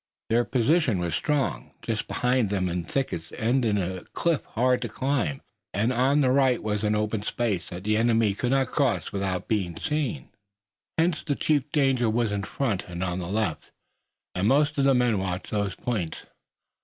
Their position was strong. Just behind them the thickets ended in a cliff hard to climb, and on the right was an open space that the enemy could not cross without being seen. Hence the chief danger was in front and on the left, and most of the men watched those points.